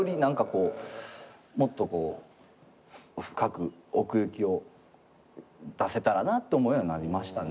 こうもっとこう深く奥行きを出せたらなと思うようになりましたね。